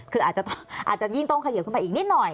คืออาจจะยิ่งต้องเขยิบขึ้นไปอีกนิดหน่อย